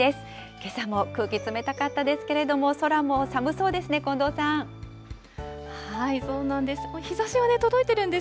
けさも空気、冷たかったですけれども、空も寒そうですね、近藤さそうなんです。